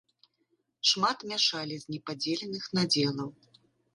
Шмат мяшалі з непадзеленых надзелаў.